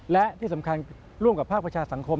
และที่สำคัญร่วมกับภาคประชาสังคม